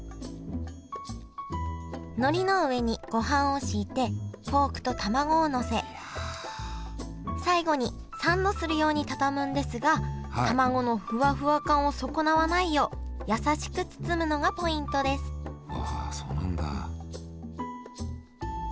のりの上にごはんを敷いてポークとたまごをのせ最後にサンドするように畳むんですがたまごのふわふわ感を損なわないようやさしく包むのがポイントですわあそうなんだ。